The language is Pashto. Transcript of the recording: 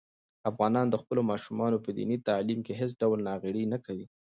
افغانان د خپلو ماشومانو په دیني تعلیم کې هېڅ ډول ناغېړي نه کوي.